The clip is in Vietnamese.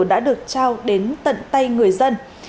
đã được trao đến tận tay người dân